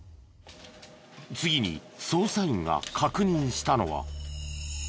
次に捜査員が確認したのは。